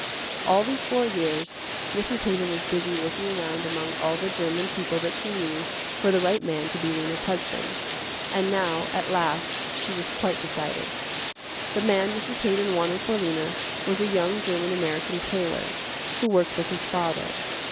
All these four years Mrs. Haydon was busy looking around among all the german people that she knew for the right man to be Lena's husband, and now at last she was quite decided. The man Mrs. Haydon wanted for Lena was a young german american tailor, who worked with his father.